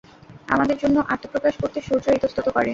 আমাদের জন্য আত্মপ্রকাশ করতে সূর্য ইতস্তত করে।